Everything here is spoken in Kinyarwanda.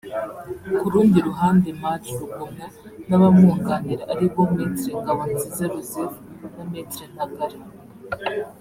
Ku rundi ruhande Maj Rugomwa n’abamwunganira ari bo Me Ngabonziza Joseph na Me Ntagara